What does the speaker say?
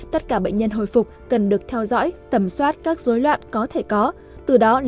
tất cả bệnh nhân hồi phục cần được theo dõi tẩm soát các rối loạn có thể có từ đó lên kế hoạch điều trị tích cực và lâu dài